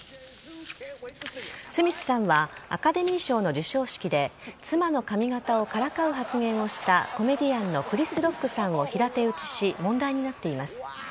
スミスさんはアカデミー賞の授賞式で妻の髪形をからかう発言をしたコメディアンのクリス・ロックさんを平手打ちし、問題になっています。